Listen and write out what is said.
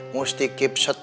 mesti tetap kuat